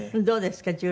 どうですか？